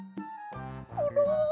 コロ！？